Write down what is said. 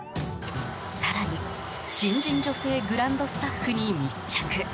更に新人女性グランドスタッフに密着。